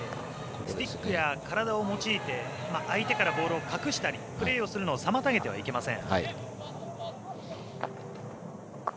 スティックや体を用いて相手からボールを隠したりプレーをするのを妨げてはいけません。